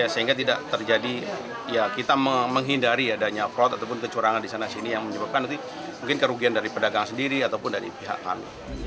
sehingga tidak terjadi ya kita menghindari adanya fraud ataupun kecurangan di sana sini yang menyebabkan nanti mungkin kerugian dari pedagang sendiri ataupun dari pihak kami